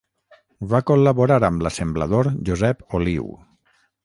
Va col·laborar amb l'assemblador Josep Oliu.